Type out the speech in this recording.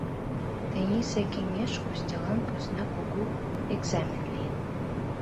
Тенийсе кеҥеж Костялан поснак кугу экзамен лийын.